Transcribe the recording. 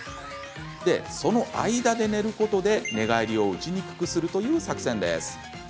その間で寝ることで寝返りを打ちにくくするという作戦です。